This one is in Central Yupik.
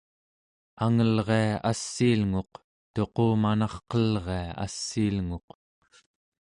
angelria assiilnguq, tuqumanarqelria assiilnguq